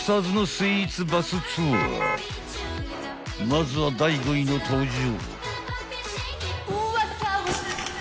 ［まずは第５位の登場］